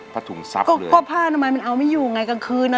ผัดถุงซับเลยก็ผ้าทำไมมันเอาไม่อยู่ไงกลางคืนอ่ะ